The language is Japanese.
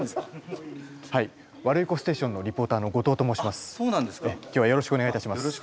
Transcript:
はい「ワルイコステーション」のリポーターの後藤と申します。